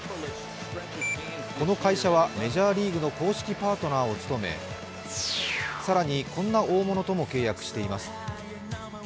この会社はメジャーリーグの公式パートナーを務め、更にこんな大物とも契約しています。